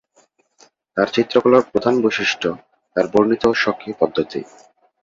তার চিত্রকলার প্রধান বৈশিষ্ট্য তার বর্ণিত স্বকীয় পদ্ধতি।